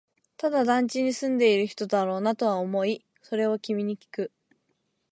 ただ、団地に住んでいる人だろうなとは思い、それを君にきく